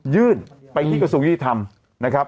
ยื่นไปที่กระทรวงยุติธรรมนะครับ